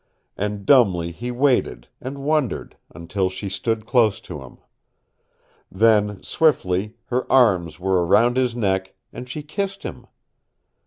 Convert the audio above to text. And dumbly he waited, and wondered, until she stood close to him. Then, swiftly, her arms were around his neck, and she kissed him.